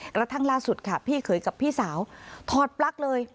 กระทั่งล่าสุดค่ะพี่เขยกับพี่สาวถอดปลั๊กเลย